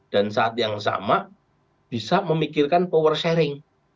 dan saat yang sama bisa memikirkan power sharing